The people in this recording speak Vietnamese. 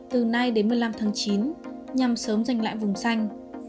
từ nay đến một mươi năm tháng chín nhằm sớm giành lại vùng xanh